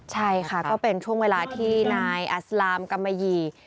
ใช่ค่ะก็เป็นช่วงเวลาที่นายอัสลามกัมมะยี